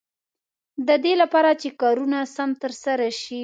د دې لپاره چې کارونه سم تر سره شي.